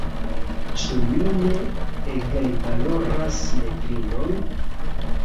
Ĉu mi ne egalvaloras negrinon?